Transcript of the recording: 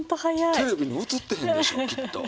テレビに映ってへんでしょうきっと。